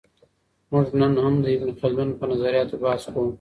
موږ نن هم د ابن خلدون په نظریاتو بحث کوو.